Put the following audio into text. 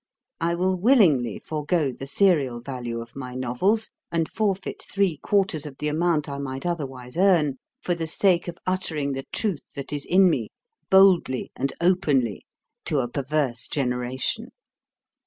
I will willingly forgo the serial value of my novels, and forfeit three quarters of the amount I might otherwise earn, for the sake of uttering the truth that is in me, boldly and openly, to a perverse generation.